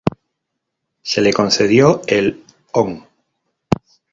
Se le concedió el Hon.